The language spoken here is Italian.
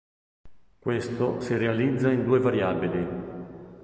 Questo si realizza in due variabili.